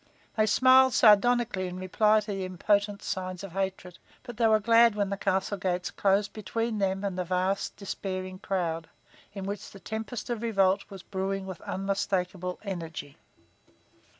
They smiled sardonically in reply to the impotent signs of hatred, but they were glad when the castle gates closed between them and the vast, despairing crowd, in which the tempest of revolt was brewing with unmistakable energy.